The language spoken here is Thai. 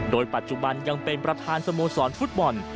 โดยปัจจุบันยังเป็นประธานสโมสรฟุตบอล